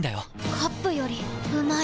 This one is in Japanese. カップよりうまい